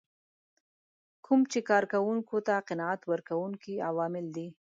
کوم چې کار کوونکو ته قناعت ورکوونکي عوامل دي.